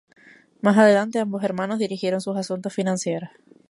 Más adelante, ambos hermanos dirigieron sus asuntos financieros.